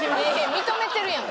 認めてるやん。